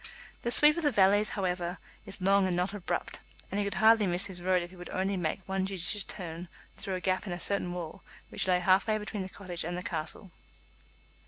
The sweep of the valleys, however, is long and not abrupt, and he could hardly miss his road if he would only make one judicious turn through a gap in a certain wall which lay half way between the cottage and the castle.